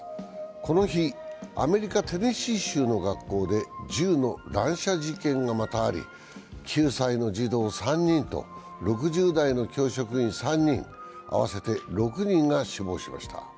この日、アメリカ・テネシー州の学校で銃の乱射事件がまたあり、９歳の児童３人と６０代の教職員３人、合わせて６人が死亡しました。